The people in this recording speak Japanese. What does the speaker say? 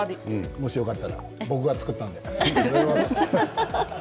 もし、よかったら僕が作ったので。